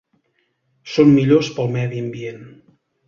Són millors pel medi ambient.